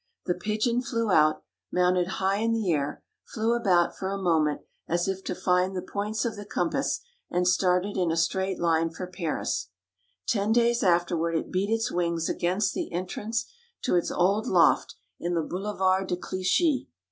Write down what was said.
The pigeon flew out, mounted high in the air, flew about for a moment, as if to find the points of the compass and started in a straight line for Paris. Ten days afterward it beat its wings against the entrance to its old loft in the Boulevard de Clichy.